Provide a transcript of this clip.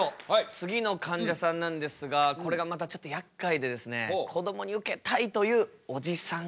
次のかんじゃさんなんですがこれがまたちょっとやっかいでこどもにウケたいというおじさん